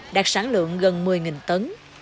đạt sản lượng gần một mươi tấn